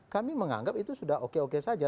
kami menganggap itu sudah oke oke saja